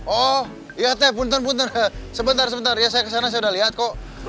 oh ya teh punten buntur sebentar sebentar ya saya kesana saya udah lihat kok